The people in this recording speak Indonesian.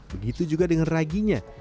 begitu juga dengan raginya